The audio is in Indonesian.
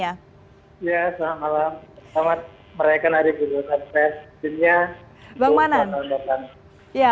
ya selamat malam selamat meraihkan hari kebebasan pers di dunia